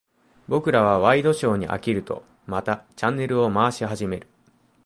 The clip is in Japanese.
僕らはワイドショーに飽きると、またチャンネルを回し始める。